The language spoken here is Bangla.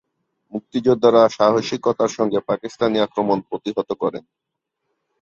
মুক্তিযোদ্ধারা সাহসিকতার সঙ্গে পাকিস্তানি আক্রমণ প্রতিহত করেন।